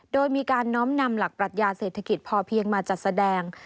โดยมีการน้อมนำหลักปรัชญาเศรษฐกิจพอเพียงมาจัดแสดง